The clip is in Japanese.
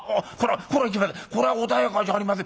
これはこれは穏やかじゃありません。